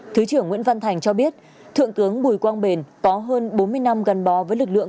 thứ trưởng nguyễn văn thành cho biết thượng tướng bùi quang bền có hơn bốn mươi năm gắn bó với lực lượng